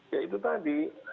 ya itu tadi